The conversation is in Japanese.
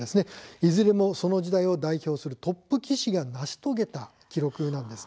いずれもその時代を代表するトップ棋士が成し遂げた記録なんです。